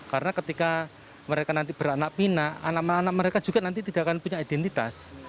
karena ketika mereka nanti beranak pina anak anak mereka juga nanti tidak akan punya identitas